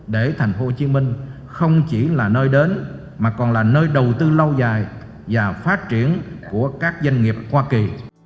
của tp hcm không chỉ là nơi đến mà còn là nơi đầu tư lâu dài và phát triển của các doanh nghiệp hoa kỳ